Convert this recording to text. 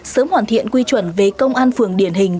sớm hoàn thiện quy chuẩn về công an phường điển hình